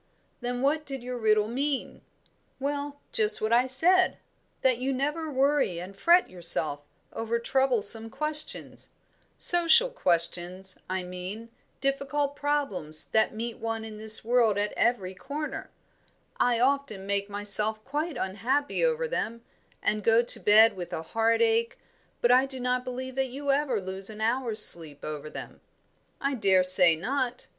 "Then what did your riddle mean?" "Well, just what I said. That you never worry and fret yourself over troublesome questions social questions, I mean, difficult problems that meet one in this world at every corner; I often make myself quite unhappy over them, and go to bed with a heartache, but I do not believe that you ever lose an hour's sleep over them." "I daresay not.